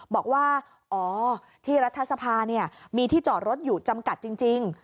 บอกว่าอ๋อที่รัฐสภามีที่จอดรถอยู่จำกัดจริง